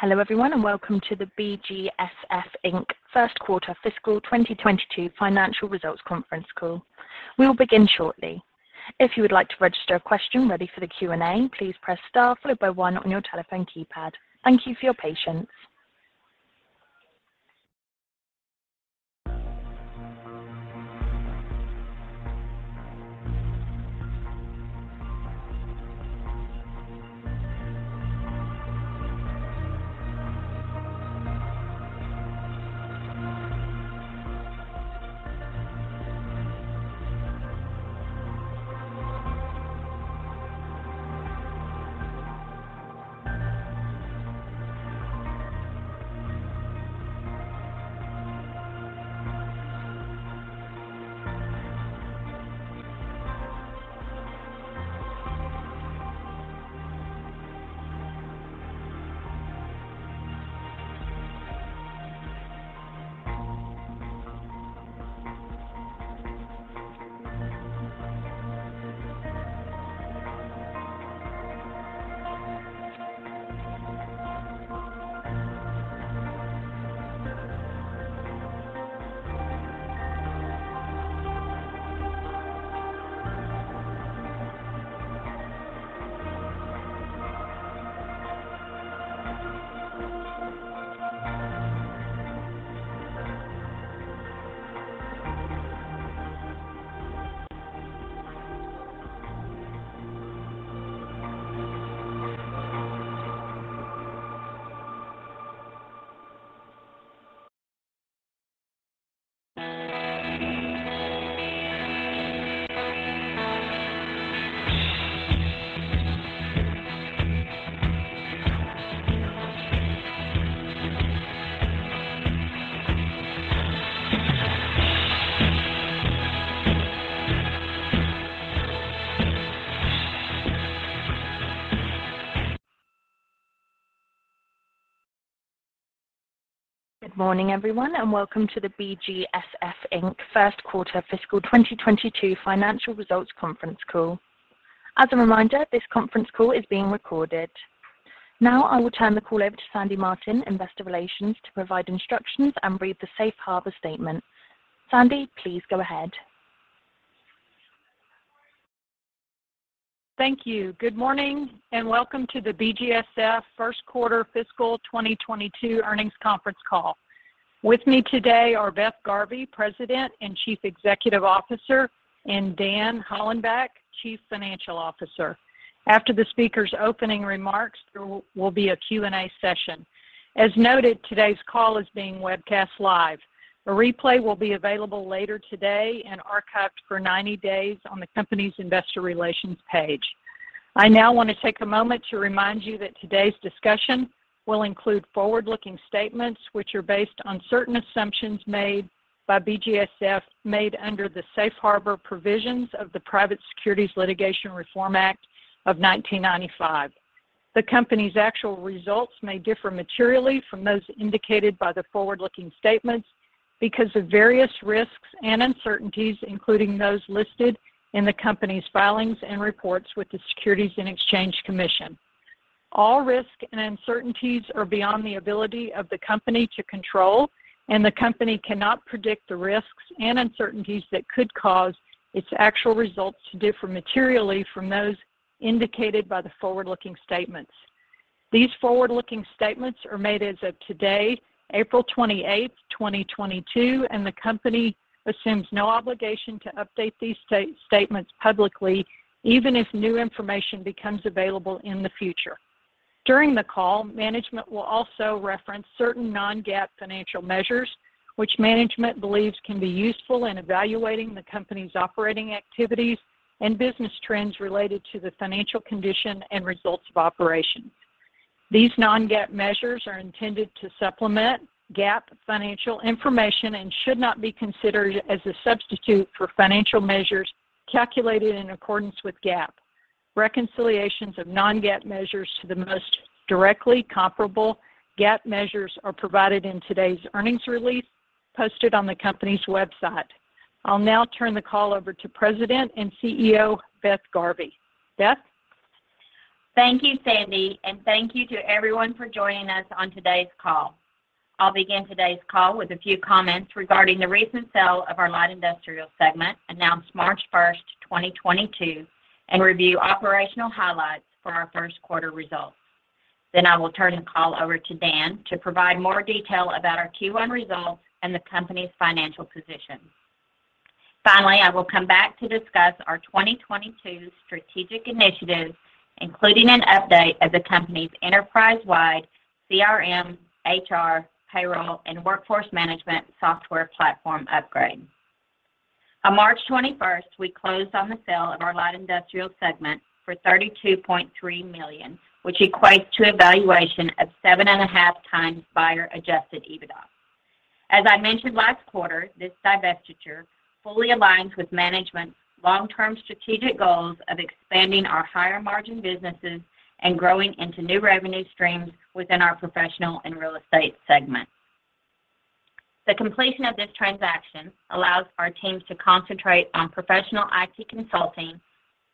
Hello everyone, and welcome to the BGSF, Inc. First Quarter Fiscal 2022 Financial Results Conference Call. We will begin shortly. If you would like to register a question ready for the Q&A, please press Star followed by one on your telephone keypad. Thank you for your patience. Good morning everyone, and welcome to the BGSF, Inc. first quarter fiscal 2022 financial results conference call. As a reminder, this conference call is being recorded. Now I will turn the call over to Sandy Martin, Investor Relations, to provide instructions and read the safe harbor statement. Sandy, please go ahead. Thank you. Good morning, and welcome to the BGSF first quarter fiscal 2022 earnings conference call. With me today are Beth Garvey, President and Chief Executive Officer, and Dan Hollenbach, Chief Financial Officer. After the speakers' opening remarks, there will be a Q&A session. As noted, today's call is being webcast live. A replay will be available later today and archived for 90 days on the company's investor relations page. I now want to take a moment to remind you that today's discussion will include forward-looking statements, which are based on certain assumptions made by BGSF under the Safe Harbor provisions of the Private Securities Litigation Reform Act of 1995. The company's actual results may differ materially from those indicated by the forward-looking statements because of various risks and uncertainties, including those listed in the company's filings and reports with the Securities and Exchange Commission. All risks and uncertainties are beyond the ability of the company to control, and the company cannot predict the risks and uncertainties that could cause its actual results to differ materially from those indicated by the forward-looking statements. These forward-looking statements are made as of today, April 28, 2022, and the company assumes no obligation to update these statements publicly, even if new information becomes available in the future. During the call, management will also reference certain non-GAAP financial measures, which management believes can be useful in evaluating the company's operating activities and business trends related to the financial condition and results of operations. These non-GAAP measures are intended to supplement GAAP financial information and should not be considered as a substitute for financial measures calculated in accordance with GAAP. Reconciliations of non-GAAP measures to the most directly comparable GAAP measures are provided in today's earnings release posted on the company's website. I'll now turn the call over to President and CEO, Beth Garvey. Beth? Thank you, Sandy, and thank you to everyone for joining us on today's call. I'll begin today's call with a few comments regarding the recent sale of our light industrial segment, announced March 1, 2022, and review operational highlights for our first quarter results. I will turn the call over to Dan to provide more detail about our Q1 results and the company's financial position. Finally, I will come back to discuss our 2022 strategic initiatives, including an update of the company's enterprise-wide CRM, HR, payroll, and workforce management software platform upgrade. On March 21, we closed on the sale of our light industrial segment for $32.3 million, which equates to a valuation of 7.5x buyer-adjusted EBITDA. As I mentioned last quarter, this divestiture fully aligns with management's long-term strategic goals of expanding our higher-margin businesses and growing into new revenue streams within our professional and real estate segments. The completion of this transaction allows our teams to concentrate on professional IT consulting,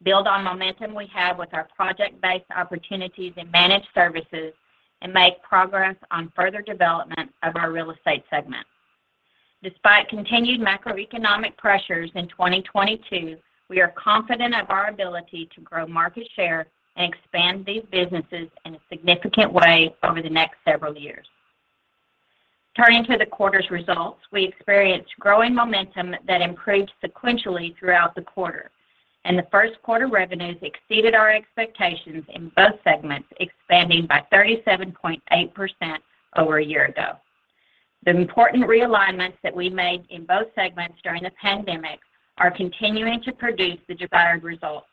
build on momentum we have with our project-based opportunities in managed services, and make progress on further development of our real estate segment. Despite continued macroeconomic pressures in 2022, we are confident of our ability to grow market share and expand these businesses in a significant way over the next several years. Turning to the quarter's results, we experienced growing momentum that improved sequentially throughout the quarter. The first quarter revenues exceeded our expectations in both segments, expanding by 37.8% over a year ago. The important realignments that we made in both segments during the pandemic are continuing to produce the desired results.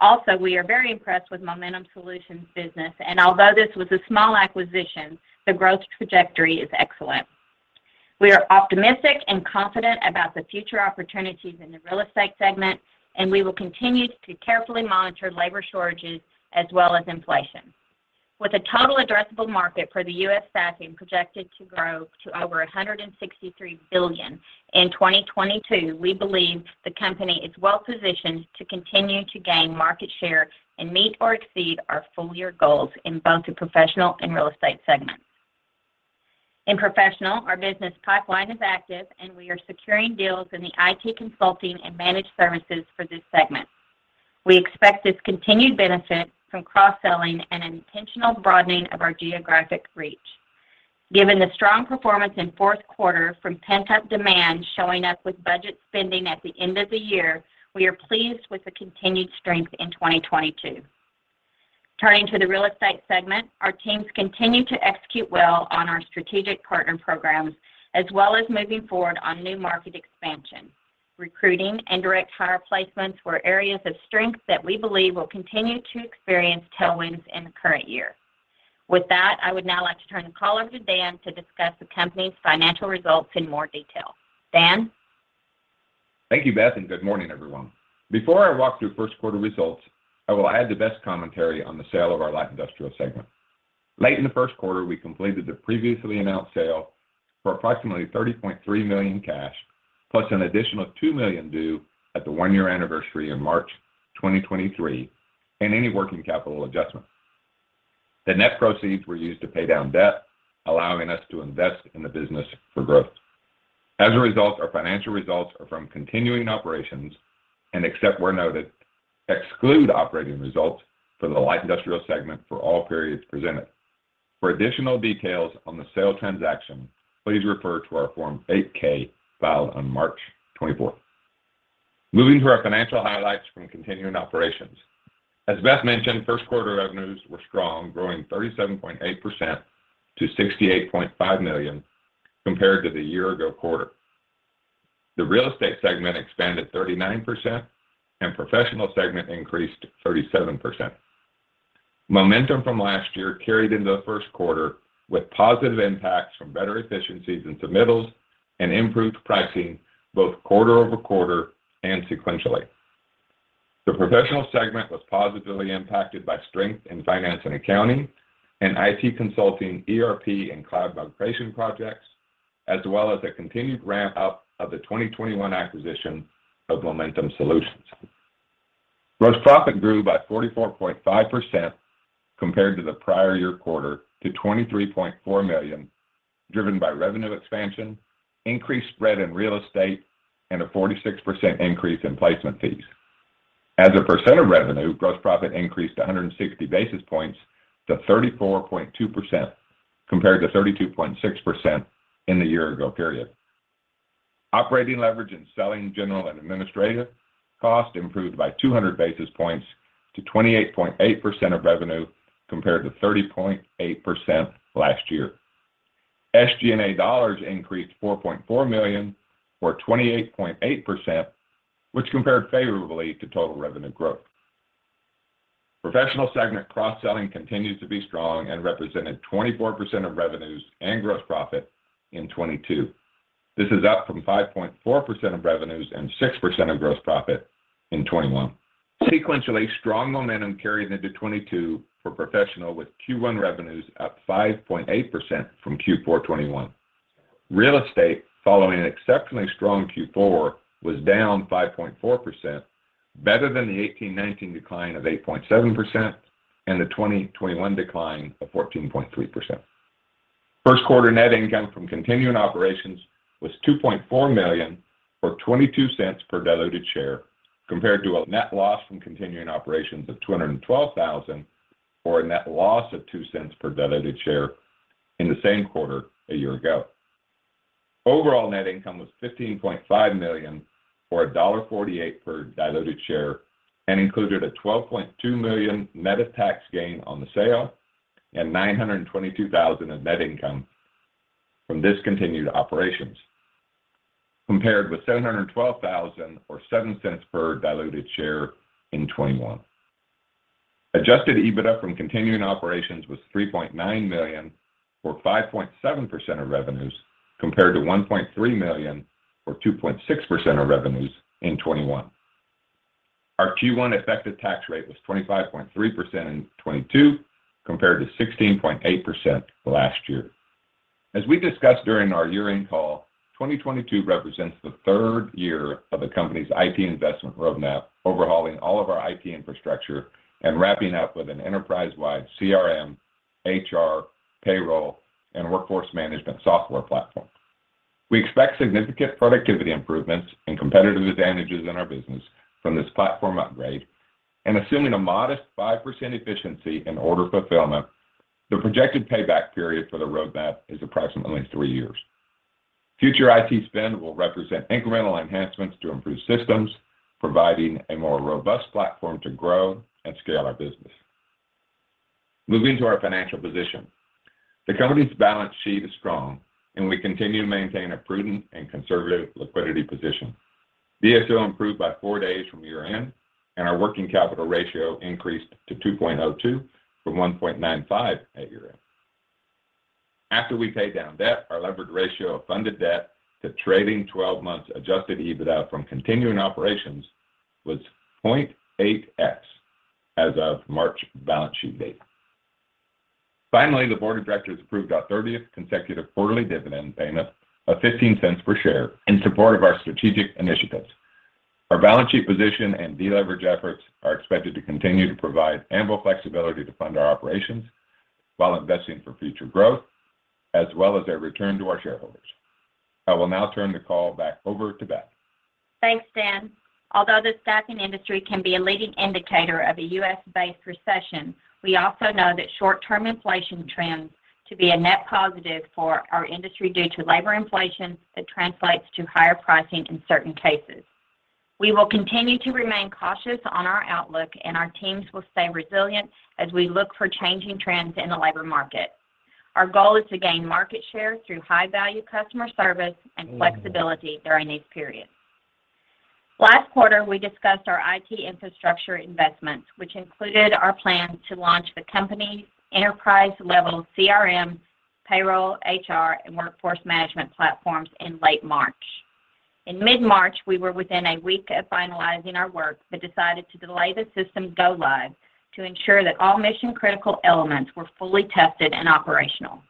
Also, we are very impressed with Momentum Solutionz's business, and although this was a small acquisition, the growth trajectory is excellent. We are optimistic and confident about the future opportunities in the real estate segment, and we will continue to carefully monitor labor shortages as well as inflation. With a total addressable market for the U.S. staffing projected to grow to over $163 billion in 2022, we believe the company is well-positioned to continue to gain market share and meet or exceed our full year goals in both the professional and real estate segments. In professional, our business pipeline is active, and we are securing deals in the IT consulting and managed services for this segment. We expect this continued benefit from cross-selling and an intentional broadening of our geographic reach. Given the strong performance in fourth quarter from pent-up demand showing up with budget spending at the end of the year, we are pleased with the continued strength in 2022. Turning to the real estate segment, our teams continue to execute well on our strategic partner programs, as well as moving forward on new market expansion. Recruiting and direct hire placements were areas of strength that we believe will continue to experience tailwinds in the current year. With that, I would now like to turn the call over to Dan to discuss the company's financial results in more detail. Dan? Thank you, Beth, and good morning, everyone. Before I walk through first quarter results, I will add the best commentary on the sale of our light industrial segment. Late in the first quarter, we completed the previously announced sale for approximately $30.3 million cash, plus an additional $2 million due at the one-year anniversary in March 2023 and any working capital adjustment. The net proceeds were used to pay down debt, allowing us to invest in the business for growth. As a result, our financial results are from continuing operations and except where noted, exclude operating results for the light industrial segment for all periods presented. For additional details on the sale transaction, please refer to our Form 8-K filed on March 24th. Moving to our financial highlights from continuing operations. As Beth mentioned, first quarter revenues were strong, growing 37.8% to $68.5 million compared to the year-ago quarter. The real estate segment expanded 39%, and professional segment increased 37%. Momentum from last year carried into the first quarter with positive impacts from better efficiencies in submittals and improved pricing both quarter-over-quarter and sequentially. The professional segment was positively impacted by strength in finance and accounting and IT consulting, ERP, and cloud migration projects, as well as a continued ramp up of the 2021 acquisition of Momentum Solutionz. Gross profit grew by 44.5% compared to the prior-year quarter to $23.4 million, driven by revenue expansion, increased spread in real estate, and a 46% increase in placement fees. As a percent of revenue, gross profit increased 160 basis points to 34.2% compared to 32.6% in the year ago period. Operating leverage and selling general and administrative cost improved by 200 basis points to 28.8% of revenue compared to 30.8% last year. SG&A dollars increased $4.4 million or 28.8%, which compared favorably to total revenue growth. Professional segment cross-selling continues to be strong and represented 24% of revenues and gross profit in 2022. This is up from 5.4% of revenues and 6% of gross profit in 2021. Sequentially, strong momentum carried into 2022 for professional with Q1 revenues up 5.8% from Q4 2021. Real estate, following an exceptionally strong Q4, was down 5.4%, better than the 2019 decline of 8.7% and the 2021 decline of 14.3%. First quarter net income from continuing operations was $2.4 million or $0.22 per diluted share, compared to a net loss from continuing operations of $212,000 or a net loss of $0.02 per diluted share in the same quarter a year ago. Overall net income was $15.5 million or $1.48 per diluted share and included a $12.2 million net of tax gain on the sale and $922,000 in net income from discontinued operations, compared with $712,000 or $0.07 per diluted share in 2021. Adjusted EBITDA from continuing operations was $3.9 million or 5.7% of revenues compared to $1.3 million or 2.6% of revenues in 2021. Our Q1 effective tax rate was 25.3% in 2022 compared to 16.8% last year. As we discussed during our year-end call, 2022 represents the third year of the company's IT investment roadmap, overhauling all of our IT infrastructure and wrapping up with an enterprise-wide CRM, HR, payroll, and workforce management software platform. We expect significant productivity improvements and competitive advantages in our business from this platform upgrade, and assuming a modest 5% efficiency in order fulfillment, the projected payback period for the roadmap is approximately three years. Future IT spend will represent incremental enhancements to improve systems, providing a more robust platform to grow and scale our business. Moving to our financial position. The company's balance sheet is strong, and we continue to maintain a prudent and conservative liquidity position. DSO improved by 4 days from year-end, and our working capital ratio increased to 2.02 from 1.95 at year-end. After we pay down debt, our levered ratio of funded debt to trailing 12 months adjusted EBITDA from continuing operations was 0.8x as of March balance sheet date. Finally, the board of directors approved our thirtieth consecutive quarterly dividend payment of $0.15 per share in support of our strategic initiatives. Our balance sheet position and deleverage efforts are expected to continue to provide ample flexibility to fund our operations while investing for future growth, as well as a return to our shareholders. I will now turn the call back over to Beth. Thanks, Dan. Although the staffing industry can be a leading indicator of a U.S.-based recession, we also know that short-term inflation tends to be a net positive for our industry due to labor inflation that translates to higher pricing in certain cases. We will continue to remain cautious on our outlook, and our teams will stay resilient as we look for changing trends in the labor market. Our goal is to gain market share through high-value customer service and flexibility during these periods. Last quarter, we discussed our IT infrastructure investments, which included our plan to launch the company enterprise-level CRM, payroll, HR, and workforce management platforms in late March. In mid-March, we were within a week of finalizing our work, but decided to delay the system go live to ensure that all mission-critical elements were fully tested and operational.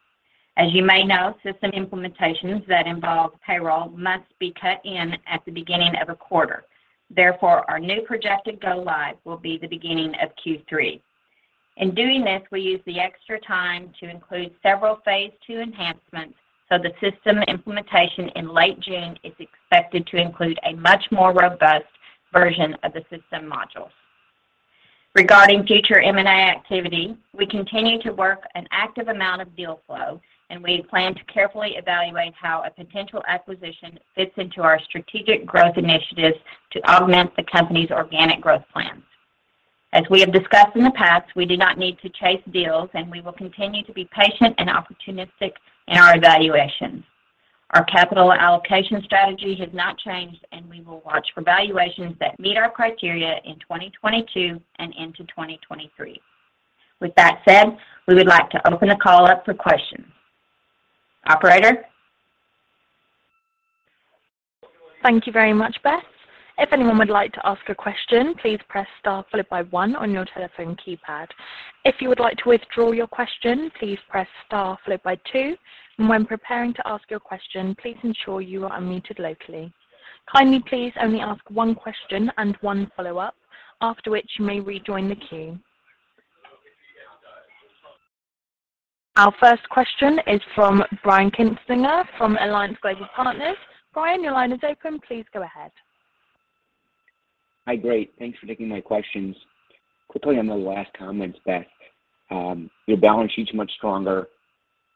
As you may know, system implementations that involve payroll must be cut in at the beginning of a quarter. Therefore, our new projected go live will be the beginning of Q3. In doing this, we use the extra time to include several phase two enhancements, so the system implementation in late June is expected to include a much more robust version of the system modules. Regarding future M&A activity, we continue to work an active amount of deal flow, and we plan to carefully evaluate how a potential acquisition fits into our strategic growth initiatives to augment the company's organic growth plans. As we have discussed in the past, we do not need to chase deals, and we will continue to be patient and opportunistic in our evaluations. Our capital allocation strategy has not changed, and we will watch for valuations that meet our criteria in 2022 and into 2023. With that said, we would like to open the call up for questions. Operator? Thank you very much, Beth. If anyone would like to ask a question, please press star followed by one on your telephone keypad. If you would like to withdraw your question, please press star followed by two, and when preparing to ask your question, please ensure you are unmuted locally. Kindly, please only ask one question and one follow-up, after which you may rejoin the queue. Our first question is from Brian Kinstlinger from Alliance Global Partners. Brian, your line is open. Please go ahead. Hi. Great. Thanks for taking my questions. Quickly on the last comments, Beth. Your balance sheet's much stronger,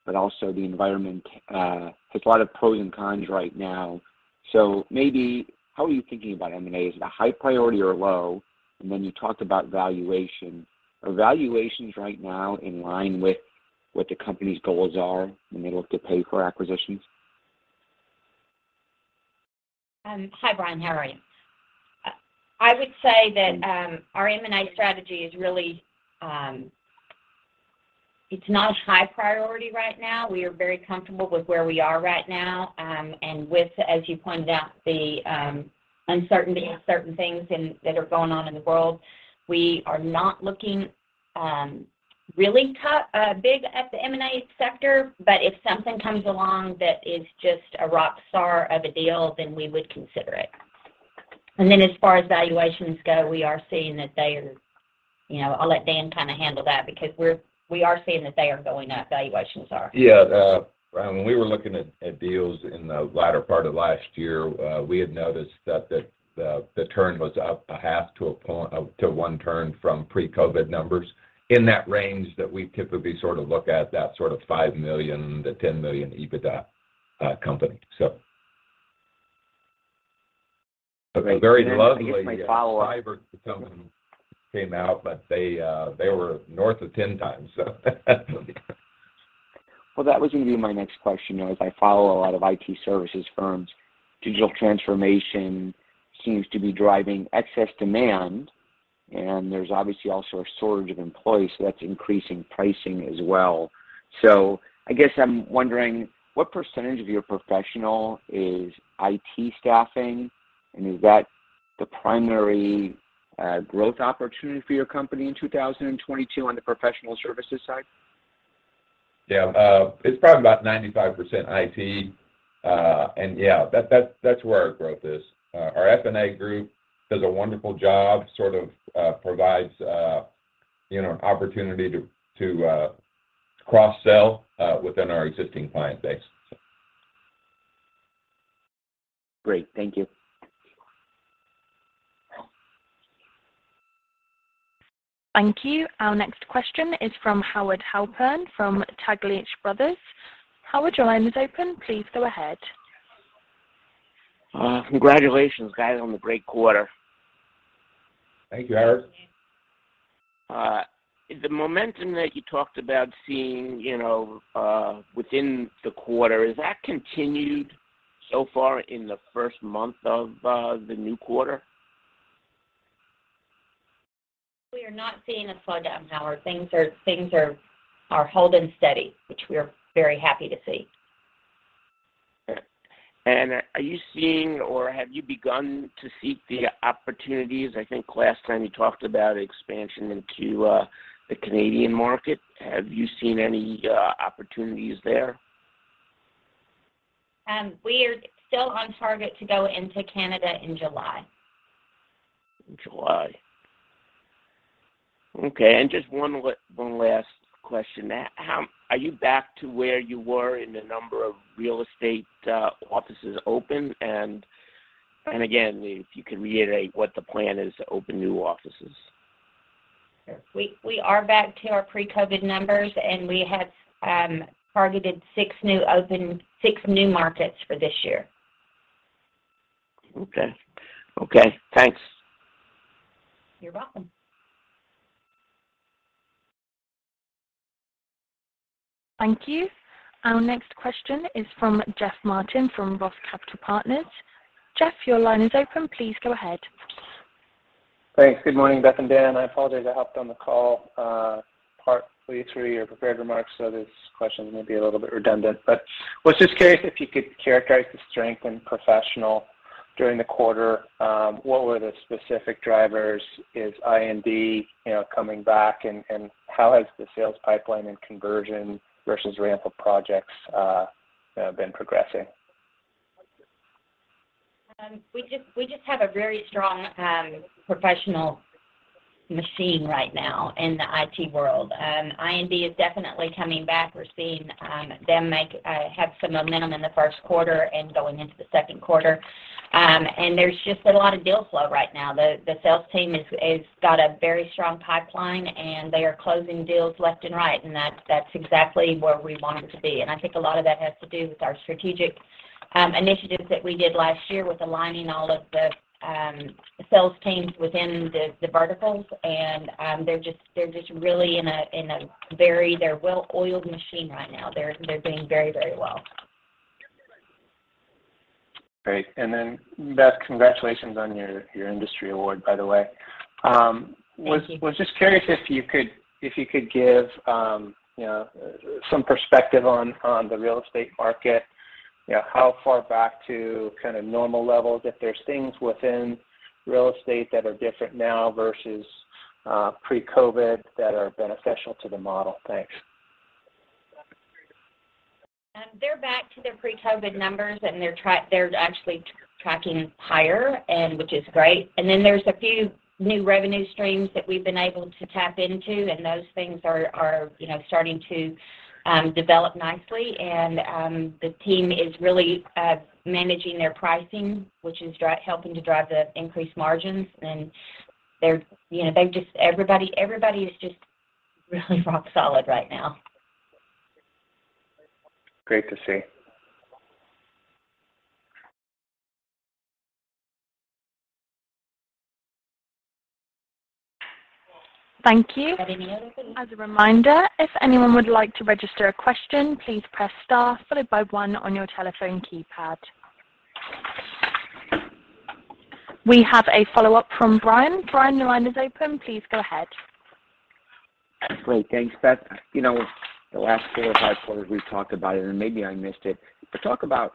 but also the environment, there's a lot of pros and cons right now. Maybe how are you thinking about M&A? Is it a high priority or low? And then you talked about valuation. Are valuations right now in line with what the company's goals are when they look to pay for acquisitions? Hi, Brian. How are you? I would say that our M&A strategy is really. It's not a high priority right now. We are very comfortable with where we are right now, and with, as you pointed out, the uncertainty of certain things and that are going on in the world. We are not looking really big at the M&A sector. If something comes along that is just a rock star of a deal, then we would consider it. As far as valuations go, we are seeing that they are. You know, I'll let Dan kind of handle that because we are seeing that they are going up, valuations are. Brian, when we were looking at deals in the latter part of last year, we had noticed that the turn was up a half to one turn from pre-COVID numbers. In that range that we typically sort of look at, that sort of 5 million-10 million EBITDA company. Great. I guess my follow-up. Came out, but they were north of 10x, so. Well, that was going to be my next question, you know, as I follow a lot of IT services firms. Digital transformation seems to be driving excess demand. There's obviously also a shortage of employees, so that's increasing pricing as well. I guess I'm wondering what percentage of your professional is IT staffing? And is that the primary growth opportunity for your company in 2022 on the professional services side? Yeah. It's probably about 95% IT. Yeah, that's where our growth is. Our F&A group does a wonderful job, sort of provides, you know, an opportunity to cross-sell within our existing client base. Great. Thank you. Thank you. Our next question is from Howard Halpern from Taglich Brothers. Howard, your line is open. Please go ahead. Congratulations, guys, on the great quarter. Thank you, Howard. The momentum that you talked about seeing, you know, within the quarter, has that continued so far in the first month of the new quarter? We are not seeing a slowdown, Howard. Things are holding steady, which we are very happy to see. Are you seeing or have you begun to seek the opportunities? I think last time you talked about expansion into the Canadian market. Have you seen any opportunities there? We are still on target to go into Canada in July. In July. Okay. Just one last question. Are you back to where you were in the number of real estate offices open? Again, if you could reiterate what the plan is to open new offices? Sure. We are back to our pre-COVID numbers, and we have targeted six new markets for this year. Okay, thanks. You're welcome. Thank you. Our next question is from Jeff Martin from Roth Capital Partners. Jeff, your line is open. Please go ahead. Thanks. Good morning, Beth and Dan. I apologize. I hopped on the call partly through your prepared remarks, so this question may be a little bit redundant. I was just curious if you could characterize the strength in professional during the quarter. What were the specific drivers? Is I&D, you know, coming back? And how has the sales pipeline and conversion versus ramp of projects been progressing? We just have a very strong professional machine right now in the IT world. I&D is definitely coming back. We're seeing them have some momentum in the first quarter and going into the second quarter. There's just a lot of deal flow right now. The sales team got a very strong pipeline, and they are closing deals left and right, and that's exactly where we want them to be. I think a lot of that has to do with our strategic initiatives that we did last year with aligning all of the sales teams within the verticals. They're just really in a very well-oiled machine right now. They're doing very well. Great. Beth, congratulations on your industry award, by the way. Thank you. Was just curious if you could give you know some perspective on the real estate market. You know, how far back to kind of normal levels, if there's things within real estate that are different now versus pre-COVID that are beneficial to the model? Thanks. They're back to their pre-COVID numbers, and they're actually tracking higher, which is great. There's a few new revenue streams that we've been able to tap into, and those things are, you know, starting to develop nicely. The team is really managing their pricing, which is helping to drive the increased margins. You know, everybody is just really rock solid right now. Great to see. Thank you. As a reminder, if anyone would like to register a question, please press star followed by one on your telephone keypad. We have a follow-up from Brian. Brian, your line is open. Please go ahead. Great. Thanks, Beth. You know, the last 4 or 5 quarters we've talked about it, and maybe I missed it. Talk about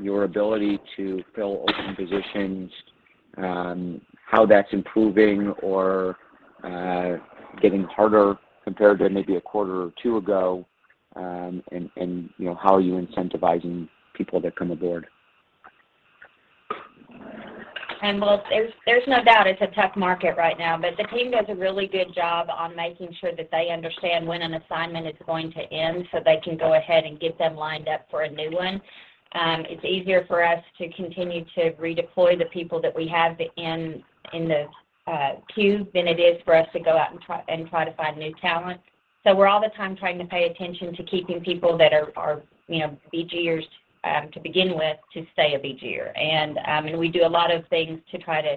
your ability to fill open positions, how that's improving or getting harder compared to maybe a quarter or 2 ago, and you know, how are you incentivizing people that come aboard? Well, there's no doubt it's a tough market right now. The team does a really good job on making sure that they understand when an assignment is going to end, so they can go ahead and get them lined up for a new one. It's easier for us to continue to redeploy the people that we have in the queue than it is for us to go out and try to find new talent. We're all the time trying to pay attention to keeping people that are, you know, BGers, to begin with, to stay a BGer. We do a lot of things to try to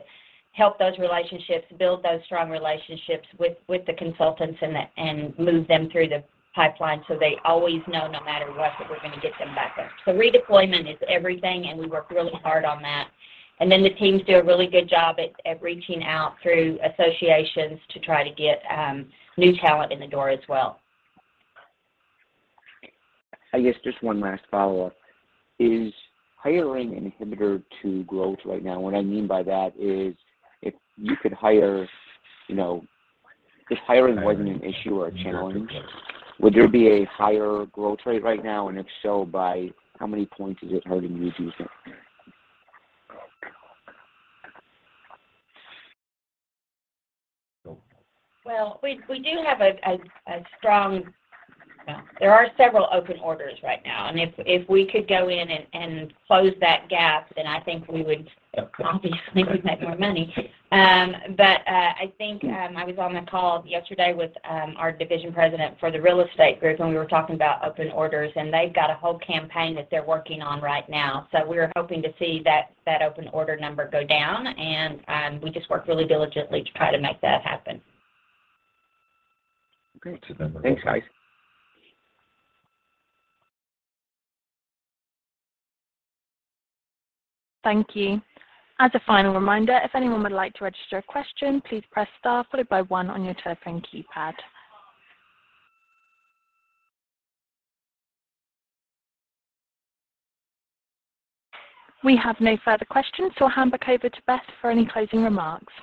help those relationships, build those strong relationships with the consultants and move them through the pipeline, so they always know, no matter what, that we're gonna get them back there. Redeployment is everything, and we work really hard on that. Then the teams do a really good job at reaching out through associations to try to get new talent in the door as well. I guess just one last follow-up. Is hiring an inhibitor to growth right now? What I mean by that is if you could hire, you know, if hiring wasn't an issue or a challenge, would there be a higher growth rate right now? If so, by how many points is it hurting you, do you think? Well, there are several open orders right now, and if we could go in and close that gap, then I think we would obviously make more money. I think I was on the call yesterday with our division president for the real estate group when we were talking about open orders, and they've got a whole campaign that they're working on right now. We're hoping to see that open order number go down, and we just work really diligently to try to make that happen. Great. Thanks, guys. Thank you. As a final reminder, if anyone would like to register a question, please press star followed by one on your telephone keypad. We have no further questions. I'll hand back over to Beth for any closing remarks.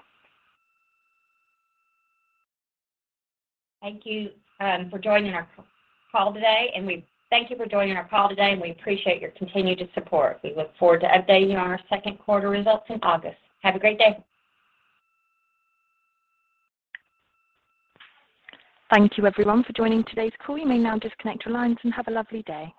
Thank you for joining our call today, and we appreciate your continued support. We look forward to updating you on our second quarter results in August. Have a great day. Thank you everyone for joining today's call. You may now disconnect your lines and have a lovely day.